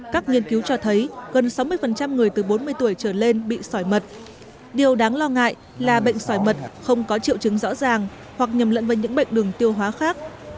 các nghiên cứu cho thấy gần sáu mươi người từ bốn mươi tuổi trở lên bị sỏi mật điều đáng lo ngại là bệnh sỏi mật không có triệu chứng rõ ràng hoặc nhầm lẫn với những bệnh đường tiêu hóa khác